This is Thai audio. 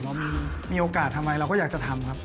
เรามีโอกาสทำไมเราก็อยากจะทำครับ